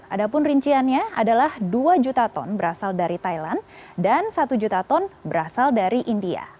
ada pun rinciannya adalah dua juta ton berasal dari thailand dan satu juta ton berasal dari india